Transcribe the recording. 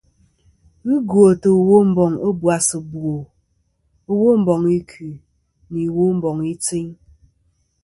Ghɨ gwòtɨ Womboŋ ɨbwas ɨbwò, womboŋ ikui nɨ womboŋ i tsiyn.